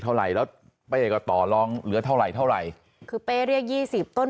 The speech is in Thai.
เท่าไหร่แล้วเป้ก็ต่อลองเหลือเท่าไหร่เท่าไหร่คือเป้เรียกยี่สิบต้น